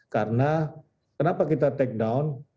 karena kenapa kita take down